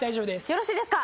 よろしいですか。